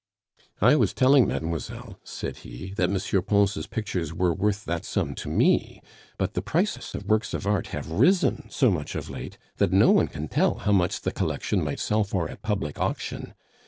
"I was telling mademoiselle," said he, "that M. Pons' pictures were worth that sum to me; but the prices of works of art have risen so much of late, that no one can tell how much the collection might sell for at public auction.